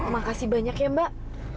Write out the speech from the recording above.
makasih banyak ya mbak